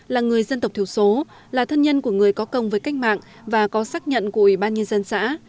là người dân tộc thiểu số là thân nhân của người có công với cách mạng và có xác nhận của ủy ban nhân dân xã